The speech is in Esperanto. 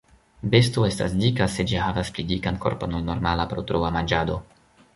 Besto estas dika se ĝi havas pli dikan korpon ol normala pro troa manĝado.